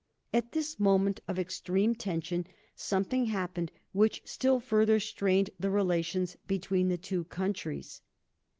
At this moment of extreme tension something happened which still further strained the relations between the two countries.